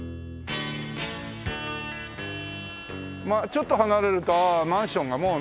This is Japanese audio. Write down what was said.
ちょっと離れるとマンションがもうね。